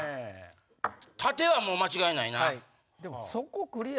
縦はもう間違いないな。